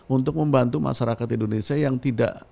untuk membantu masyarakat indonesia yang tidak